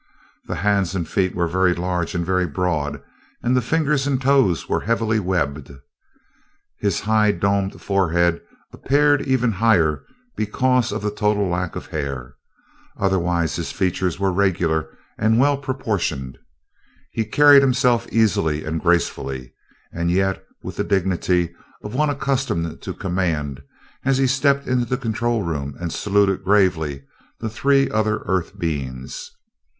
The hands and feet were very large and very broad, and the fingers and toes were heavily webbed. His high domed forehead appeared even higher because of the total lack of hair, otherwise his features were regular and well proportioned. He carried himself easily and gracefully, and yet with the dignity of one accustomed to command as he stepped into the control room and saluted gravely the three other Earth beings.